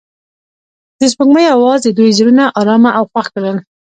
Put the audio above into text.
د سپوږمۍ اواز د دوی زړونه ارامه او خوښ کړل.